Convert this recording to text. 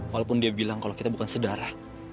walaupun dia bilang kalau kita bukan sedara